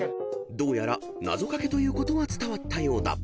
［どうやらなぞかけということは伝わったようだ］